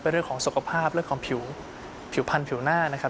เป็นเรื่องของสุขภาพและของผิวพันธุ์ผิวหน้านะครับ